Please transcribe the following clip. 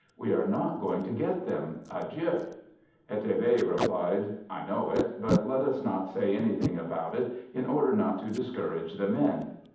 We are not going to get them. Adieu." Eteve replied :" I know it, but let us not say anything about it, in order not to discourage the men.